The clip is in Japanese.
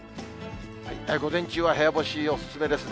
午前中は部屋干しお勧めですね。